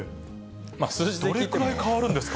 どれくらい変わるんですか。